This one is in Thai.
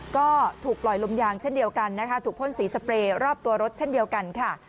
ก็ถูกปล่อยลมยางเช่นเดียวกันนะคะถูกพ่นสีสเปรย์รอบตัวรถเช่นเดียวกันค่ะ